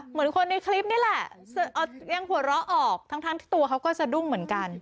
เหมือนคนในคลิปนี่แหละยังหัวเราะออกทั้งที่ตัวเขาก็สะดุ้งเหมือนกัน